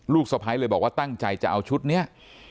สะพ้ายเลยบอกว่าตั้งใจจะเอาชุดนี้